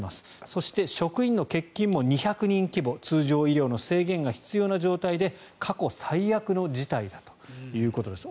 そして職員の欠勤も２００人規模通常医療の制限が必要な状態で過去最悪の事態だということです。